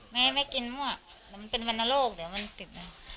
แม่ไม่กินหรอกเป็นวันโลกเดี๋ยวมันติด